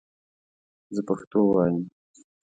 زه پښتو وایم